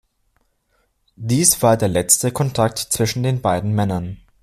Dies war der letzte Kontakt zwischen den beiden Männern.